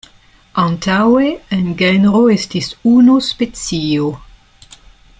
Antaŭe en genro estis unu specio.